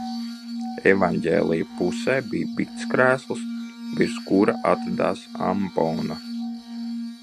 Evaņģēlija pusē bija biktskrēsls, virs kura atradās ambona.